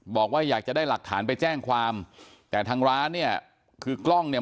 บอกว่าอยากจะได้หลักฐานไปแจ้งความแต่ทางร้านเนี่ยคือกล้องเนี่ย